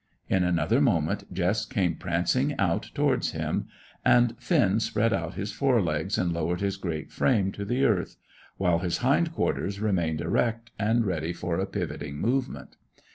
In another moment, Jess came prancing out towards him, and Finn spread out his fore legs and lowered his great frame to the earth, while his hind quarters remained erect and ready for a pivoting movement.